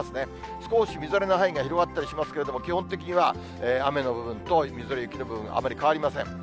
少しみぞれの範囲が広がったりしますけれども、基本的には雨の部分とみぞれ、雪の部分、あまり変わりません。